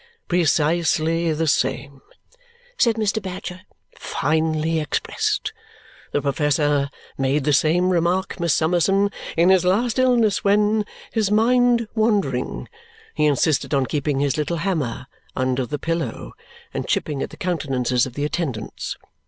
"Precisely the same," said Mr. Badger. "Finely expressed! The professor made the same remark, Miss Summerson, in his last illness, when (his mind wandering) he insisted on keeping his little hammer under the pillow and chipping at the countenances of the attendants.